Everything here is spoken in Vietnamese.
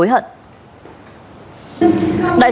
đại diện viện kiểm sát thế giới